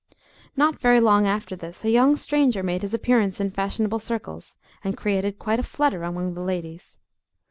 Not very long after this, a young stranger made his appearance in fashionable circles, and created quite a flutter among the ladies.